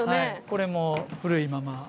これも古いまま。